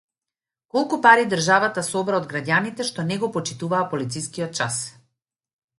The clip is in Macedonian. Колку пари државата собра од граѓаните што не го почитуваа полицискиот час